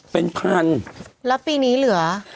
เป็นพันแล้วปีนี้เหลือ